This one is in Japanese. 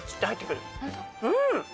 うん！